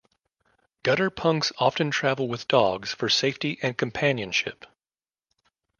Gutter punks often travel with dogs for safety and companionship.